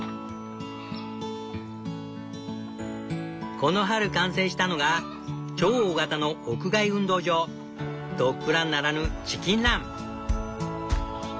この春完成したのが超大型の屋外運動場ドッグランならぬチキンラン。